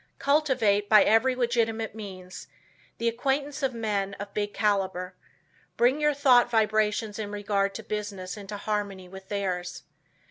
Cultivate, by every legitimate means, the acquaintance of men of big caliber. Bring your thought vibrations in regard to business into harmony with theirs.